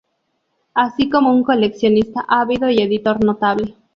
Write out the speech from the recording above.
Así como un coleccionista ávido y editor notable.